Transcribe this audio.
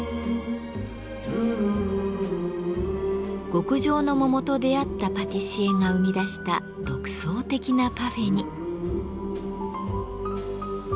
極上の桃と出会ったパティシエが生み出した独創的なパフェに。